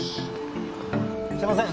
すみません